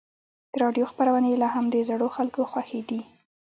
د راډیو خپرونې لا هم د زړو خلکو خوښې دي.